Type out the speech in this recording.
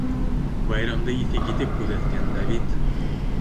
Байрамды иҫе китеп күҙәткән Давид: